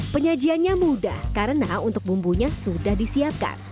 penyajiannya mudah karena untuk bumbunya sudah disiapkan